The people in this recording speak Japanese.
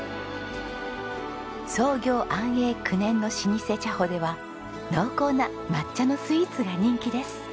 創業安永９年の老舗茶舗では濃厚な抹茶のスイーツが人気です。